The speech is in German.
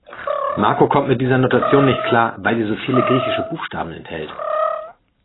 Marco kommt mit dieser Notation nicht klar, weil sie so viele griechische Buchstaben enthält.